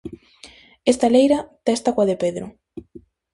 Esta leira testa coa de Pedro.